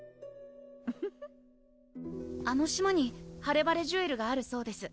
フフフッあの島にハレバレジュエルがあるそうです